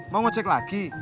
mau ngecek lagi